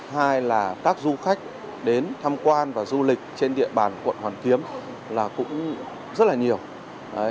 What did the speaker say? hai là các du khách đến tham quan và du lịch trên địa bàn quận hoàn kiếm là cũng rất là nhiều